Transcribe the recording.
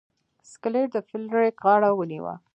سکلیټ د فلیریک غاړه ونیوه.